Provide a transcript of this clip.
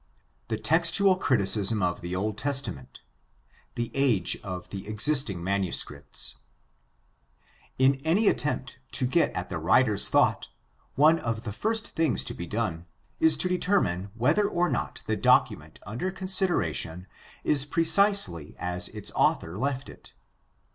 THE TEXTUAL CRITICISM OF THE OLD TESTAMENT THE AGE OE THE EXISTING MANUSCRIPTS In any attempt to get at a writer's thought one of the first things to be done is to determine whether or not the document under consideration is precisely as its author left it.